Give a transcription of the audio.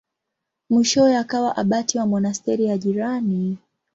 Mwishowe akawa abati wa monasteri ya jirani.